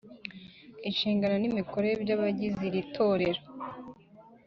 inshingano n’imikorere by’abagizeyi iri torero.